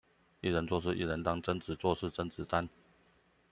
一人做事一人擔，貞子做事甄子丹